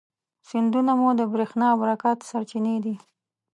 سیندونه مو د برېښنا او برکت سرچینې دي.